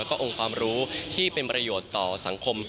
แล้วก็องค์ความรู้ที่เป็นประโยชน์ต่อสังคม